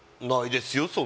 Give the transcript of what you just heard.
ないですよ